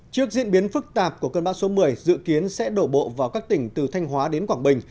trước diễn biến phức tạp của cơn bão số một mươi dự kiến sẽ đổ bộ vào các tỉnh từ thanh hóa đến quảng bình